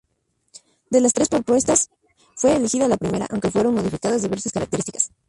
De las tres propuestas, fue elegida la primera, aunque fueron modificadas diversas características.